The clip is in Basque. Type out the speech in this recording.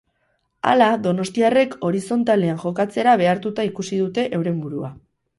Hala, donostiarrek horizontalean jokatzera behartuta ikusi dute euren burua.